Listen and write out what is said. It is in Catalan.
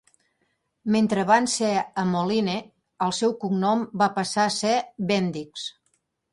Mentre van ser a Moline, el seu cognom va passar a ser "Bendix".